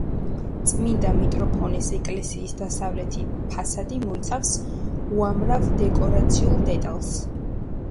წმინდა მიტროფანეს ეკლესიის დასავლეთი ფასადი მოიცავს უამრავ დეკორაციულ დეტალს.